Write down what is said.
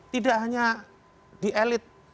tidak hanya di elite